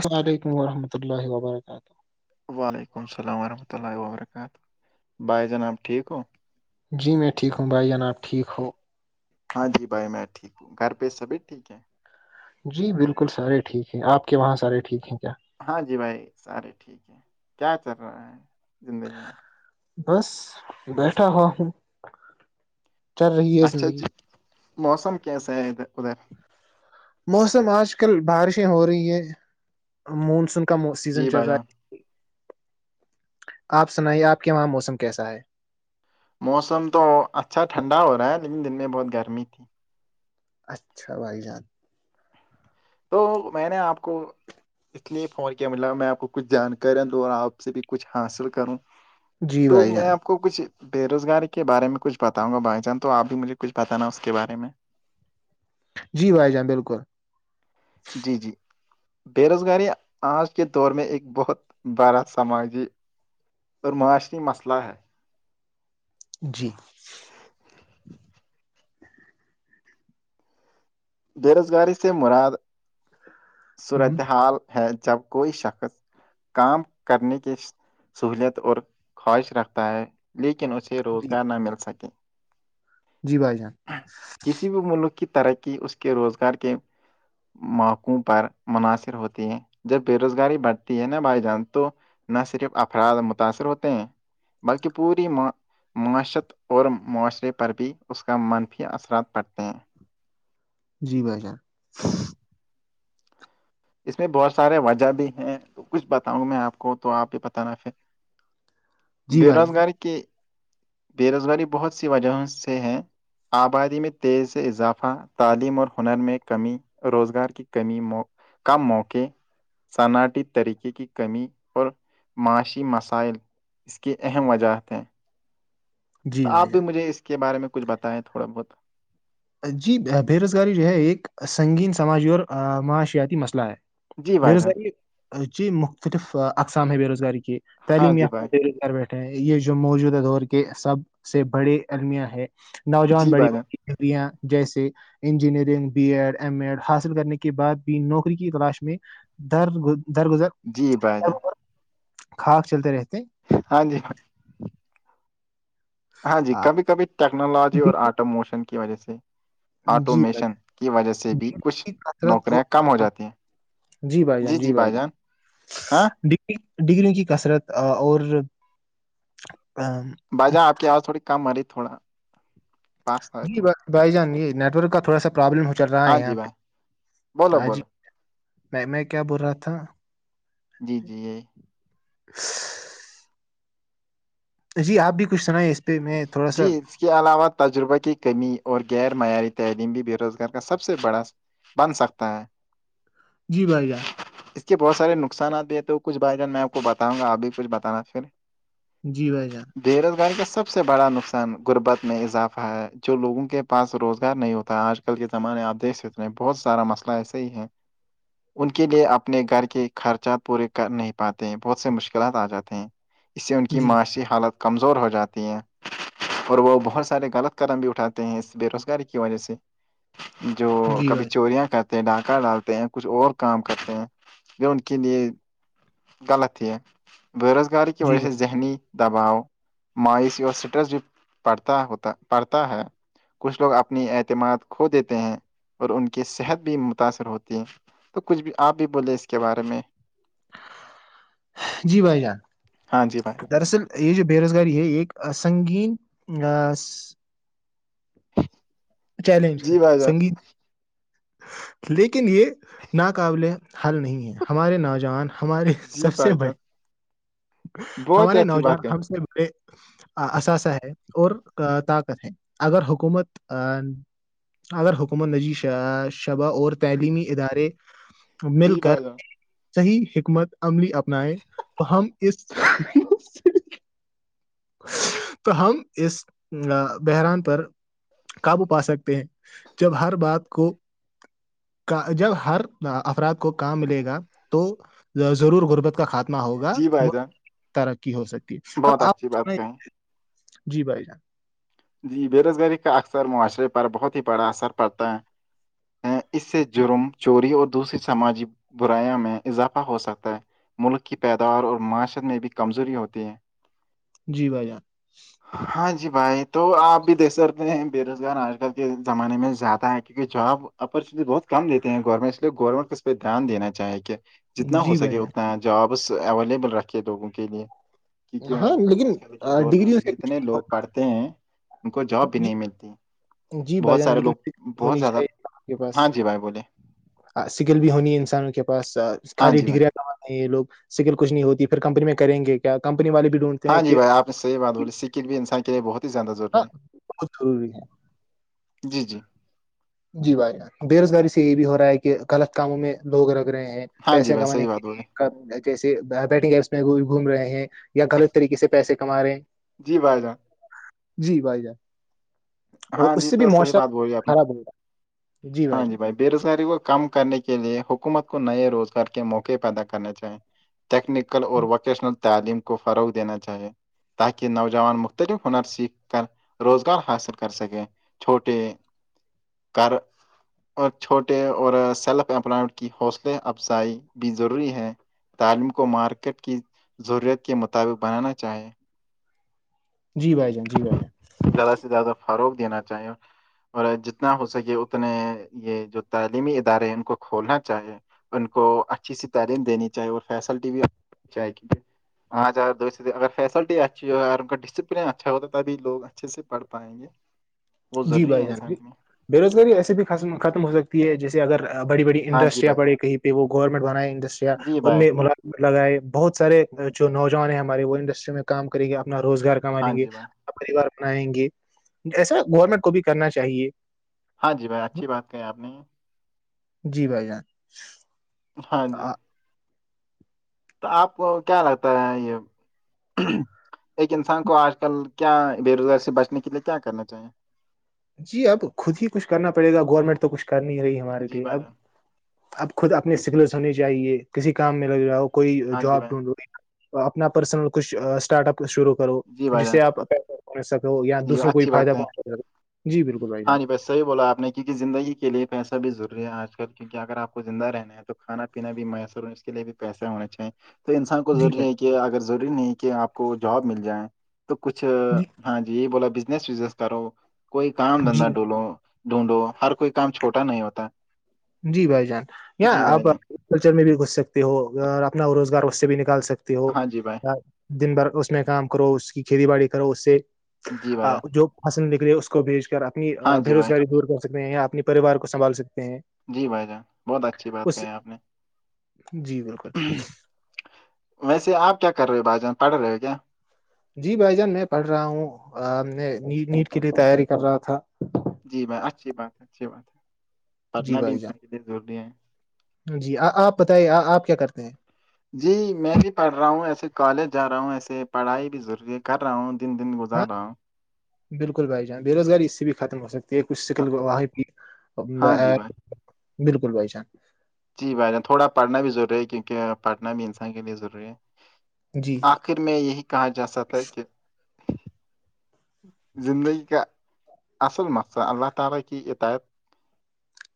السلاملیکم ورحمۃ اللہ و برکاتہ وعلیکم السلام ورحمۃ اللہ وبرکاتہ بھائی جناب ٹھیک ہو جی میں ٹھیک ہوں بھائی جناب ٹھیک ہو ہاں جی بھائی میں ٹھیک ہوں گھر پہ سبھی ٹھیک ہیں جی بالکل سارے ٹھیک ہے آپ کے وہاں سارے ٹھیک ہیں کیا ہاں جی بھائی سارے ٹھیک ہے کیا چل رہا ہے زندگی میں بس بیٹھا ہوا ہوں چل رہی ہے اچھا زندگی جی موسم کیسا ہے ادھر ادھر موسم آج کل بارشیں ہو رہی ہیں مونسون کا سیزن جی چل بھائی رہا جان ہے آپ سنائیے آپ کے وہاں موسم کیسا ہے موسم تو اچھا ٹھنڈا ہو رہا ہے لیکن دن میں بہت گرمی تھی اچھا بھائی جان تو میں نے آپ کو اس لیے فون کیا ملا میں آپ کو کچھ جانکاریاں دوںا آپ سے بھی کچھ حاصل کروں جی تو بھائی میں جان آپ کو کچھ بے روزگاری کے بارے میں کچھ بتاؤں گا بھائی جان تو آپ بھی مجھے کچھ بتانا اس کے بارے میں جی بھائی جان بالکل جی جی بے روزگاری آج کے دور میں ایک بہت بڑا سماجی پر معاشی مسئلہ ہے جی [inaudible] بے روزگاری سے مراد ہم، صورتحال ہے جب کوئی شخص کام کرنے کی سہولت اور خواہش رکھتا ہے لیکن اسے جی روزگار نہ مل سکے جی بھائی جان کسی بھی ملک کی ترقی اس کے روزگار کے موقعوں پر مناصر ہوتی ہیں جب بے روزگاری بڑھتی ہے نا بھائی جان تو نہ صرف افراد متاثر ہوتے ہیں بلکہ پوری معاشرت اور معاشرے پر بھی اس کا منفی اثرات پڑتے ہیں جی بھائی جان ہ اس میں بہت سارے وجہ بھی ہیں کچھ بتاؤں گ میں آپ کو تو آپ یہ پت نا پھر جی بے بھائی روزگاری کی بے روزگاری بہت سی وجہوں سے ہے آبادی میں تیز سے اضافہ تعلیم اور ہنر میں کمی روزگار کی کمی م کم موقے صنعٹیتی طریقے کی کمی اور معاشی مسائل اس کی اہم وجہت ہیں جی تو آپ بھائی بھی مجھے اس کے بارے میں کچھ بتائیں تھوڑا بہت جی بے روزگاری جو ہے ایک سنگین سماجی اور معاشیاتی مسئلہ ہے جی بے بھائی جان روزگاری جی مختلف اقسام ہے بے روزگاری کی ہاں تعلیم جی یافتہ بھائی دہلی بیٹھ یہ جو موجودہ دور کے سب سے بڑے المیاں ہے نوجوان جی بڑی بھائی جان ں جیسے engineering B Ed M Ed حاصل کرنے کے بعد بھی نوکری کی تلاش میں در گز در گزر جی بھائی جان کھاک چلتے رہتے ہیں۔ ہاں جی ہاں جی آ، کبھی کبھی ٹیکنالوجی اور ڈگری- آٹو موشن کی وجہ سے جی بھائی آٹومیشن کی وجہ سے جان، بھی ڈگریوں کچھ کی کثرت نوکریاں کم ہو اور جاتی ہیں جی جی بھائی جان ہاں ڈگریوں کی کثرت اور با جا آپ کی آواز تھوڑی کم آ رہی تھوڑا پاس آئے جی فون بائی بھائی جان یہ نیٹ ورک کا تھوڑا سا پرابلم ہو چل رہا ہاں ہے جی یہاں بھائی پہ بولو ہ جی بولو میں میں کیا بول رہا تھا جی جی یہی [inaudible] جی آپ بھی کچھ سناائ جی اس کے علاوہ تجربہ کی کمی اور غیر معیاری تعلیم بھی بے روزگار کا سب سے بڑا بن سکتے ہیں جی بھائی جان اس کے بہت سارے نقصانات بھی ہیں تو کچھ بھائی جان میں آپ کو بتاؤں گا آپ بھی کچھ بتانا پھر جی بھائی جان بے روزگاری کا سب سے بڑا نقصان غربت میں اضافہ ہے جو لوگوں کے پاس روزگار نہیں ہوتا آج ک آج کل کے زمانے آپ دیکھ سکتے ہیں بہت سارا مسئلہ ایسے ہی ہے ان کے لیے اپنے گھر کے خرچات پورے کر نہیں پاتے ہیں بہت سے مشکلات آ جاتے ہیں اس سے ان کی جی معاشی حالت کمزور ہو جاتی ہیں اور وہ بہت سارے غلط قدم بھی اٹھاتے ہیں اس بے روزگاری کی وجہ سے جو جی کبھی بھائی چوریاں کر ڈاکہ ڈالتے ہیں کچھ اور کام کرتے ہیں جو ان کے لیے غلط ہی بے روزگاری کی جی وجہ سے بھائی ذہنی دباؤ ماوسی اور سٹرس بھی پڑھتا ہوتا پڑھتا ہے کچھ لوگ اپنی اعتماد کھو دیتے ہیں اور ان کی صحت بھی متاثر ہوتی ہے تو کچھ بھی آپ بھی بولے اس کے بارے میں جی بھائی جان ہاں جی بھائی دراصل یہ جو بے روزگاری ہے ایک سنگین چیلنج ہے جی بھائی جان سنگیت لیکن یہ ناقابل حل نہیں ہے ہمارے نوجوان ہمارے جی سب سے بھائی بڑے جان بہت ہی ہمارے اچھی نوجوان بات کہیں ہم سے اثاثہ ہے اور طاقت ہے اگر حکومت اگر حکومت نجی شبہ اور تعلیمی ادارے مل جی کر بھائی جان صحیح حکمت عملی اپنائے تو ہم اس تو ہم اس بحران پر قابو پا سکتے ہیں جب ہر بات کو جب ہر افراد کو کام ملے گا تو ضرور غربت کا ہوگا جی بھائی جان ترقی ہو سکتی اب بہت آپ اچھی بات سنائیں۔ کہیں جی بھائی جان جی بے روزگاری کا اکثر معاشرے پر بہت ہی بڑا اثر پڑتا ہے اس سے جی جرم چوری اور دوسری سماجی برایاں میں اضافہ ہو سکتا ہے ملک کی پیداار اور معاشر میں بھی کمزوری ہوتی ہے جی بھائی جان ہاں جی بھائی تو آپ بھی دیکھ سکتے ہیں بے روزگار آج کل کے زمانے میں زیادہ ہے کیونکہ جاب اپورچوٹی بہت کم دیتے ہیں گورنمنٹ اس لیے گورنمنٹ کو اس پہ دھیان دینا چاہ کیا جان جتنا ہو جی بھائی سکے اتنا جابس اویلیبل رکھے لوگوں کے لیے جان کیونکہ ہاں آج لیکن کل کے آ، دور میں ڈگریوں سے کچھ اتنے نہیں لوگ ہوتا پڑھتے ہیں ان کو جاب بھی جی نہیں ملتی جی بھائی بہت جان سارے لیکن لوگ بہت زیادہ ہاں جی بھائی بولے سگل بھی ہونی انسانوں کے پاس ہاں خالی جی بھائی ڈگریاں نہیں یہ لگ سکل کچھ نہیں ہوتی پھر کمپنی میں کریں گے کمپنی والے بھی ڈھونڈتے ہاں ہیں جی کہ بھائی آپ نے صحیح بات بولی سکل بھی انسان کے لیے بہت ہی زیادہ ضروری ہاں ہے بہت ضروری ہے جی جی جی بھائی جان بے روزگاری سے یہ بھی ہو رہا ہے کہ غلط کاموں میں لوگ رگ رہے ہیں ہاں جی پیسے بھائی کمانے صحیح بات بولی کے جیسے بیٹنگ ایپس میں گھوم رہے ہیں یا غلط طریقے سے پیسے کما رہے ہیں جی بھائی جان جی بھائی جان اور ہاں اس جی سے بھی تو صحیح بات موشرم بولی آپ نے خراب ہوگا ہاں جی بھائی بے روزگاری کو کم کرنے کے لیے حکومت کو نئے روزگار کے موقع پیدا کرنے چاہیں ٹیکنیکل اور جان ووکیشنل تعلیم کو فروغ دینا چاہیے تاکہ نوجوان مختلف ہنر سیکھ کر روزگار حاصل کر سکے چھوٹے کر اور چھوٹے اور سیلف امپلڈ کی حوصلے افزائی بھی ضروری ہے تعلیم کو مارکیٹ کی ضرورت کے مطابق بنانا چاہیں جی بھائی جان جی بھائی جان زیادہ سے زیادہ فروغ دینا چاہیے اور جتنا ہو سکے اتنے یہ جو تعلیمی ادارے ہیں ان کو کھولنا چاہیے ان کو اچھی سی تعلیم دینی چاہے وہ فیسلٹی بھی چاہے کیونکہ ہاں ا اگر فیسلٹی اچھی ہو ان کا ڈسپلن اچھا ہوتا تبھی لوگ اچھے سے پڑھ پائیں گے وہ جی ضروری بھائی ہے جان جی انسان کے لیے بے روزگاری ایسے بھی ختم ہو سکتی ہے جیسے اگر بڑی بڑی ہاں جی انڈسٹریاں بھائی پڑیں کہیں پہ وہ گورنمنٹ بنائے انڈسٹریا جی ان بھائی میں ملاق لگائے بہت سارے جو نوجوان ہیں ہمارے وہ انڈسٹری میں کام کریں گے اپنا روزگار کما ہاں لیں گے جی بھائی پوار اپنائیں گے ایسا گورنمنٹ کو بھی کرنا چاہیے ہاں جی بھائی اچھی بات کہ ہے آپ نے جی بھائی جان ہاں جی آ- تو آپ کو کیا لگتا ہے یہ ایک انسان کو آج کل کیا بے روزگاری سے بچنے کے لیے کیا کرنا چاہیے جی اب خود ہی کچھ کرنا پڑے گا گورنمنٹ تو کچھ کر نہیں رہی ہمارے جی لیے بھائی اب جان اب خود اپنی سگلس ہونی چاہیے کسی کام میں لگ رہا ہو کوئی ہاں جی جاب بھائی ڈھونڈو اپنا پرسنل کچھ اسٹارٹ اپ شروع کرو جی بھائی جس جان سے آپ پسہ پہنچ سکو یا جی دوسروں کو اچھی بات فائدہ کہیں پہنچ سک ہو جی بالکل بھائی ہاں جان جی بس صیح بولا آپ نے کیونکہ زندگی کےے پیسہ بھی ضروری ہے آج کل کیکہ اگر آپ کو زند رہنا ہے تو کھانا پینا بھی میسر ہ اس کے لیے بھی پیسے ہونے چاہیے تو انسان کو جی ضروری بھائی ہے کہ اگر ضروری نہیں کہ آپ کو جاب مل جائے تو کچھ جی ہاں جی بولا بزنس وزنس کرو کوئی کام جی دھندا ڈھولو ڈھونڈو ہر کوئی کام چھوٹا نہیں ہوتا جی بھائی جان اں جی آپ بھائی جان کلچر میں بھی گھس سکتے ہو اور اپنا روزگار اس سے بھی نکال سکتے ہو ہاں جی بھائی دن بھر اس میں کام کرو اس کی کھیتی باڑی کرو اس سے جی بھائی جان جو حصل نکلی ہے اس کو بھیج کر اپنی ہاں بے جی بھائی روزگاری دور کر سکتے ہیں یا اپنی پریوار کو سنبھال سکتے ہیں جی بھائی جان بہت اچھی بات کہی اس آپ نے جی بالکل ویسے آپ کیا کر رہے ہو بھائی جان پڑھ رہے ہو کیا جی بھائی جان میں پڑھ رہا ہوں نے نیٹ کے لیے تیاری کر رہا تھا جی بھائی اچھی بات ہے اچھی بات ہے جی پڑھنا بھی بھائی انسان جان کے لیے ضروری ہے جی آپ بتائیے آپ کیا کرتے ہیں جی میں بھی پڑھ رہا ہوں ایسے کالج جا رہا ہوں ایسے پڑھائی بھی ضروری کر رہا ہوں تین دن ہاں گزار رہا ہوں بالکل بھائی جان بے روزگاری اس سے بھی ختم ہو سکتی ہے کچھ ہاں سکل ہاں جی بھائی بالکل بھائی شان جی بھائی تھوڑا پڑنا بھی ضروری ہے کیونکہ پڑھنا بھی انسان کے لیے ضروری ہے جی آخر میں یہی کہا جا سکتا ہے کہ اللہ تعالی کی ہدایت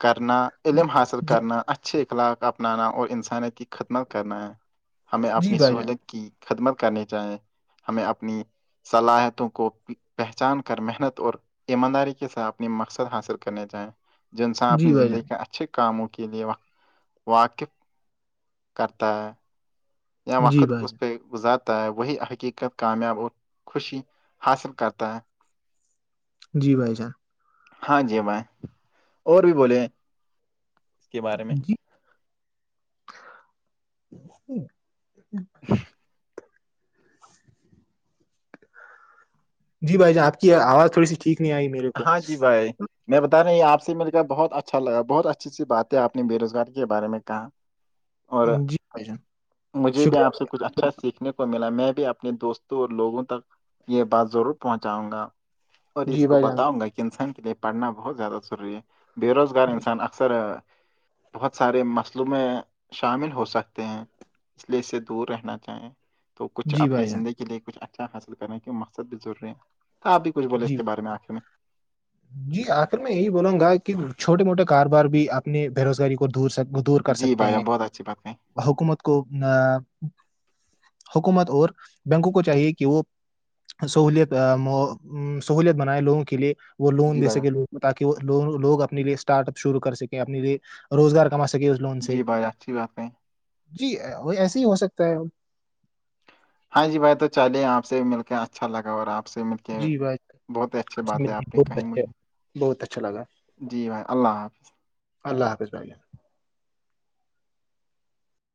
کرنا جی علم حاصل جی کرنا اچھے اخلاق اپنانا اور انسانی کی ختم کرنا ہے ہمیں جی اپنی بھائی سہولت جان کی خدمت کرنے چاہیں ہمیں اپنی صلاحیتوں کو پہچان کر محنت اور ایمانداری کے ساتھ اپنی مقصد حاصل کرنے جائیں جنسان جی اپنی بھائی زندگی جان کا اچھے کاموں کے لیے واقف کرتا ہے اں جی وقت بھائی بس پ جان گزارتا ہے وہی حقیقت کامیاب اور خوشی حاصل کرتا ہے جی بھائی جان ہاں جی میں اور بھی بولے اس کے بارے میں جی ہ جی بھائیان آپ کی آواز تھوڑ سیٹیک نہیں آئیی ہاں جی بھائی میں بتا رہای یہ آپ سے مل کر بہت اچھا لگا بہت اچھی سی بات ہے آپ نے بے روزگاری کے بارے میں کہا اور جی بھائی جان مجھے بھی شکریہ آپ سے کچھ اچھا سیکھنے کو ملا میں بھی اپنے دوستوں اور لوگوں تک یہ بات ضرور پہنچاؤں گا اور اس جی کو بھائی جان بتاؤں گا کہ انسان کے لیے پڑھنا بہت زیادہ ضروری ہے بے روزگار جی انسان اکثر بہت سارے مسلومے شامل ہو سکتے ہیں اس لیے اس سے دور رہنا چاہیں تو کچھ جی اپنی بھائی جان زندگی لیے کچھ اچھا حاصل کر رہ ہیں کی مقصد بھی ضروری ہے تو آپ بھی کچھ بولے اس جی کے بارے میں آ [unintelligible] جی آخر میں یہی بولاوں گا کہ چھوٹے موٹے کاروبار بھی اپنے بے روزگاری دورک دور کر جی سکتے بھائی ہیں جان بہت اچھی بات کہیں حکومت کو حکومت اور بینکوں کو چاہیے کہ وہ سہولیت سہولیت بنائے لوگوں کے لیے وہ لون جی دے بھائی جان سکے لو کو تاکہ وہ لوگ اپنے لیے اسٹارٹ اپ شروع کر سکے اپنے لیے روزگار کما سک گ اس لون سے جی بھائی جان اچھی بات کہیں جی ایسے ہی ہو سکتا ہے ہاں جی بھائی تو چاہے آپ سے مل کے اچھا لگا اور آپ سے مل جی بھائی، بہت ہی اچھی بات ہے آپ نے بہت کہی اچھا مجھے بہت اچھا لگا جی بھائی اللہ حافظ اللہ حافظ بائی